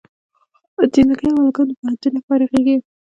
جینکۍ او هلکان د پوهنتون نه فارغېږي